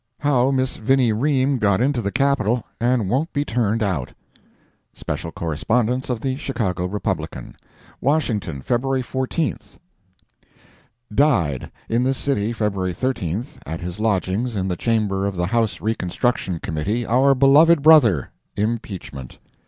How Miss Vinnie Ream Got Into the Capitol, and Won't be Turned Out. Special Correspondence of the Chicago Republican. WASHINGTON, Feb. 14. DIED, In this city, Feb. 13, at his lodgings in the chamber of the House Reconstruction Committee, our beloved brother, IMPEACHMENT.